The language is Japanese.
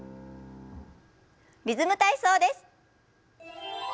「リズム体操」です。